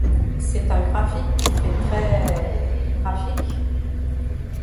C’est un graphique qui fait très… graphique.